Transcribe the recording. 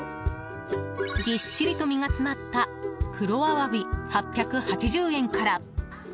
ぎっしりと身が詰まった黒アワビ、８８０円から。